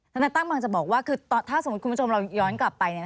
ทนายตั้มบางจะบอกว่าคือถ้าสมมุติคุณผู้ชมเราย้อนกลับไป